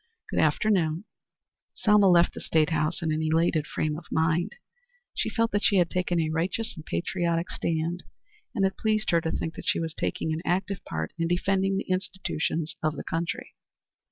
Good afternoon." Selma left the State house in an elated frame of mind. She felt that she had taken a righteous and patriotic stand, and it pleased her to think that she was taking an active part in defending the institutions of the country.